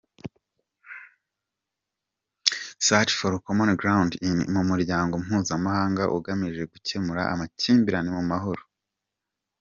Search for Common Ground ni umuryango mpuzamahanga ugamije gucyemura amakimbirane mu mahoro.